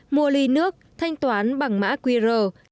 mua ly nước thanh toán bằng mã qr